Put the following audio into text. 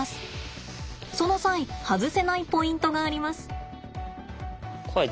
その際外せないポイントがあります。